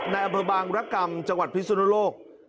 ในอำเภอบางรกรรมจังหวัดพิสุนโลก